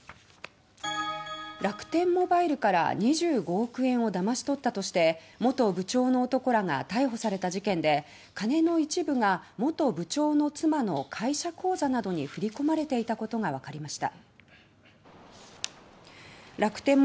楽天モバイルから２５億円をだまし取ったとして元部長の男らが逮捕された事件で金の一部が元部長の妻の会社口座などに振り込まれていたことがわかりました。